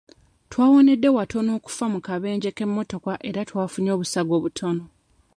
Twawonedde watono okufa mu kabenje k'emmotoka era twafunye obusago butono.